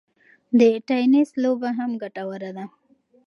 د ټینېس لوبه هم ګټوره ده.